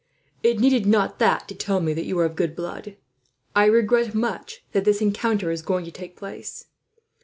"It needed not that, to tell me that you were of good blood. I regret much that this encounter is going to take place.